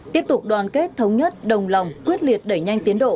tiếp tục đoàn kết thống nhất đồng lòng quyết liệt đẩy nhanh tiến độ